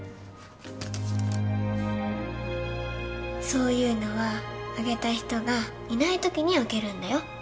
そういうのはあげた人がいないときに開けるんだよ。